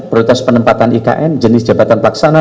prioritas penempatan ikn jenis jabatan pelaksana